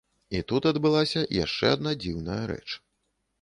І тут адбылася яшчэ адна дзіўная рэч.